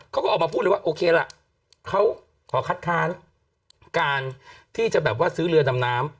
เขาก็ออกมาพูดเลยว่าโอเคล่ะเขาขอคัดค้านการที่จะแบบว่าซื้อเรือดำน้ำ